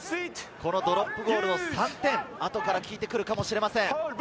ドロップゴールの３点、後から効いてくるかもしれません。